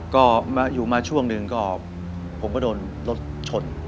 ก็อยู่มาช่วงหนึ่งก็ผมก็โดนรถชน